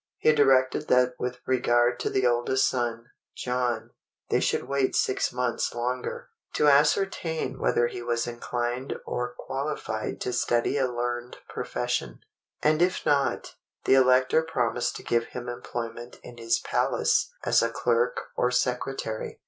He directed that with regard to the oldest son, John, they should wait six months longer, to ascertain whether he was inclined or qualified to study a learned profession, and if not, the Elector promised to give him employment in his palace as a clerk or secretary.